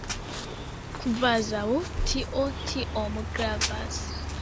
Kvazaŭ tio tiom gravas.